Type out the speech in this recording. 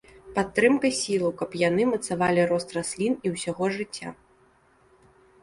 Падтрымка сілаў, каб яны мацавалі рост раслін і ўсяго жыцця.